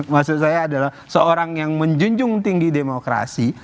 maksud saya adalah seorang yang menjunjung tinggi demokrasi